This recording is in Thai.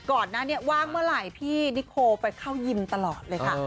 ก่อนหน้านี้ว่างเมื่อไหร่พี่นิโคไปเข้ายิมตลอดเลยค่ะ